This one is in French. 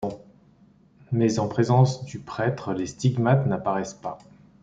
Mais en présence du prêtre les stigmates n'apparaissent pas.